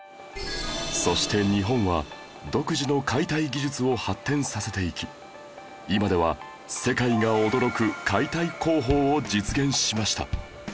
そして日本は独自の解体技術を発展させていき今では世界が驚く解体工法を実現しました